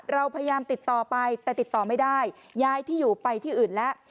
เราพยายามติดต่อไปแต่ติดต่อไม่ได้ย้ายที่อยู่ไปที่อื่นแล้ว